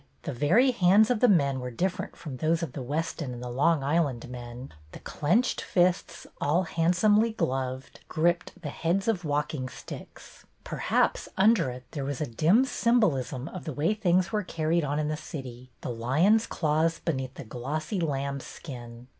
The very hands of the men were different from those of the Weston and the Long Island men; the clenched fists, all handsomely gloved, gripped the heads of walking sticks. Perhaps, under it, there was a dim symbolism of the way things were carried on in the city, — the lion's claws beneath the glossy lamb's skin.